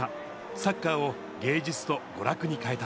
サッカーを芸術と娯楽に変えた。